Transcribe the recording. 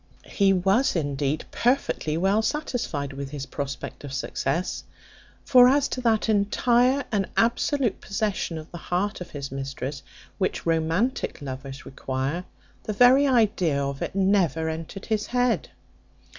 He was indeed perfectly well satisfied with his prospect of success; for as to that entire and absolute possession of the heart of his mistress which romantic lovers require, the very idea of it never entered his head.